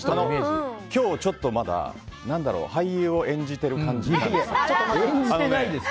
今日ちょっとまだ俳優を演じてる感じなんですよ。